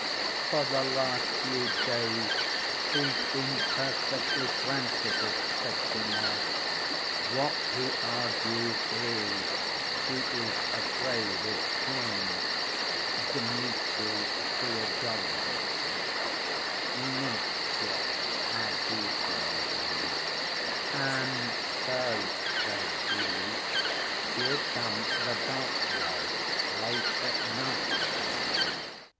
For the last few days he's been perfectly frantic expecting her. What he argues is, she is afraid of him, Dmitri Fyodorovitch (Mitya, as he calls him), 'and so,' says he, 'she'll come the back‐way, late at night, to me.